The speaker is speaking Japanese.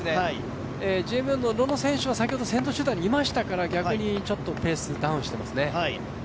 ＧＭＯのロノ選手は先ほど先頭集団にいましたから、逆にちょっとペースダウンしてますね。